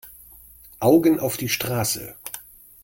Augen auf die Straße!